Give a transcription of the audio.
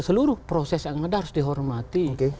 seluruh proses yang ada harus dihormati